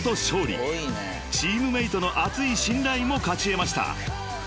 ［チームメートの厚い信頼も勝ち得ました］